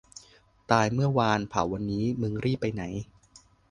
ตายเมื่อวาน เผาวันนี้ มึงรีบไปไหน